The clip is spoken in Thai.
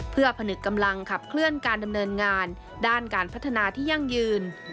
เพื่อผนึกกำลังขับเคลื่อนการดำเนินงานด้านการพัฒนาที่ยั่งยืน